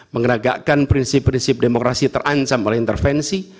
menegakkan prinsip prinsip demokrasi terancam oleh intervensi